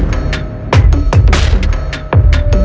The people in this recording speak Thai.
เพราะนักข่าวยักษ์เย็ดให้เขาต้องรู้เรื่องนี้